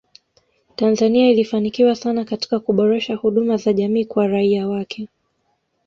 Tanzania ilifanikiwa sana katika kuboresha huduma za jamii kwa raia wake